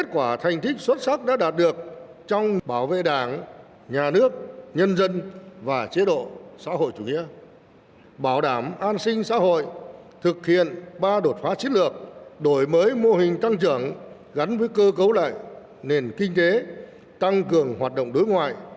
thay mặt lãnh đạo nền kinh tế tăng cường hoạt động đối ngoại